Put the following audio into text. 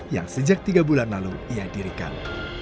yang sejak tiga bulan lalu ia dirikan